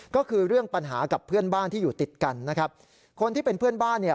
ก็คือเรื่องปัญหากับเพื่อนบ้านที่อยู่ติดกันนะครับคนที่เป็นเพื่อนบ้านเนี่ย